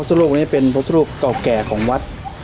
พระพุทธรูปนี้เป็นพระพุทธรูปเก่าแก่ของวัด